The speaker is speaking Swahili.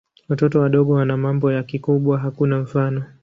Watoto wadogo wana mambo ya kikubwa hakuna mfano.